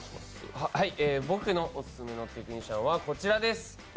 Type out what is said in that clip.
僕のオススメのテクニシャンはこちらです。